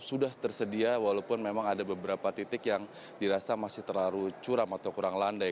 sudah tersedia walaupun memang ada beberapa titik yang dirasa masih terlalu curam atau kurang landai